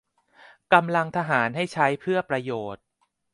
กำลังทหารให้ใช้เพื่อประโยชน์